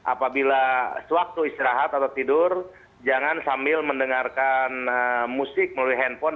apabila sewaktu istirahat atau tidur jangan sambil mendengarkan musik melalui handphone